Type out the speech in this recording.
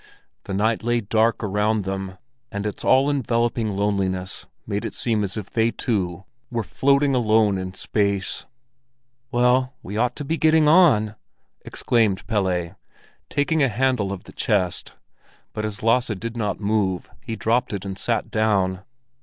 The night lay dark around them, and its all enveloping loneliness made it seem as if they two were floating alone in space. "Well, we ought to be getting on," exclaimed Pelle, taking a handle of the chest; but as Lasse did not move, he dropped it and sat down.